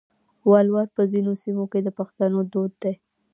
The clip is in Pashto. ولور په ځینو سیمو کې د پښتنو دود دی.